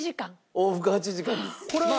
往復８時間です。